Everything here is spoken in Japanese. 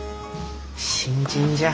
新人じゃあ。